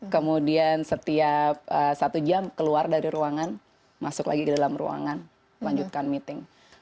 kemudian setiap satu jam keluar dari ruangan masuk lagi ke dalam ruangan lanjutkan meeting